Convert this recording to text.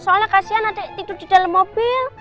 soalnya kasihan ada yang tidur di dalam mobil